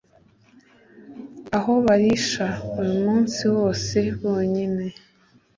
aho barisha umunsi wose, bonyine